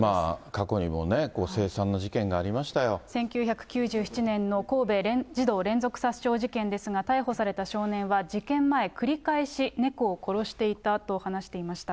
過去にもね、１９９７年の神戸児童連続殺傷事件ですが、逮捕された少年は事件前、繰り返し猫を殺していたと話していました。